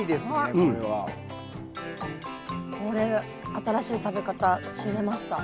これ新しい食べ方知りました。